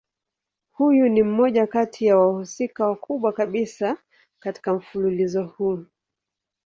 Huyu ni mmoja kati ya wahusika wakubwa kabisa katika mfululizo huu.